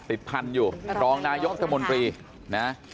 ติดพันธุ์อยู่รองนายกรัฐมนตรีนะ